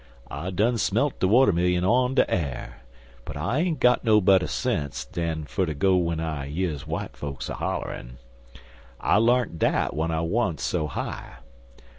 I done smelt de watermillion on de a'r, an' I ain't got no better sense dan fer ter go w'en I years w'ite fokes a hollerin' I larnt dat w'en I wa'n't so high.